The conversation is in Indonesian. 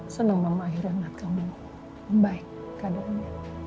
senang banget akhirnya menat kamu membaik keadaannya